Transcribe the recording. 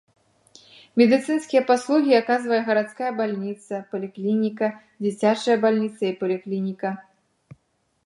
Медыцынскія паслугі аказвае гарадская бальніца, паліклініка, дзіцячыя бальніца і паліклініка.